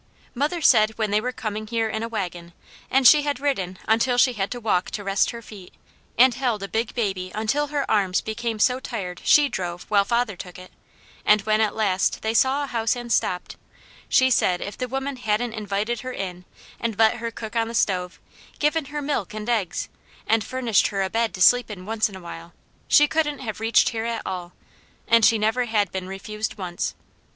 Mother said when they were coming here in a wagon, and she had ridden until she had to walk to rest her feet, and held a big baby until her arms became so tired she drove while father took it, and when at last they saw a house and stopped, she said if the woman hadn't invited her in, and let her cook on the stove, given her milk and eggs, and furnished her a bed to sleep in once in a while, she couldn't have reached here at all; and she never had been refused once.